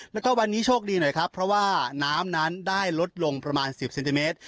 แล้วก็วันนี้โชคดีหน่อยครับเพราะว่าน้ำนั้นได้ลดลงประมาณ๑๐เซนติเมตร